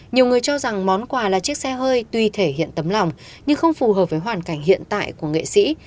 nhiều người cho rằng món quà là chiếc xe hơi tuy thể hiện tấm lòng nhưng không phù hợp với hoàn cảnh hiện tại của nghệ sĩ